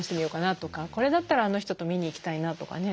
これだったらあの人と見に行きたいなとかね。